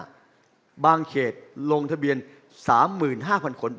รวมทั้งการลงทะเบียน๒ล้านคนเลือกตั้งล่วงหน้า